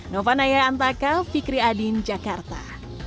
novanaya antaka fikri adin jakarta